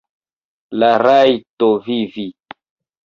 La rajto vivi.